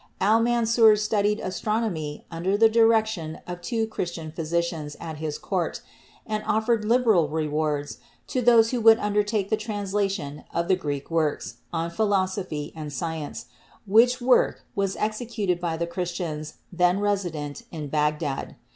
Al Mansur studied astronomy under the direction of two Christian physicians at his court, and offered liberal re wards to those who would undertake the translation of the Greek works on philosophy and science, which work was executed by the Christians then resident in Bagdad.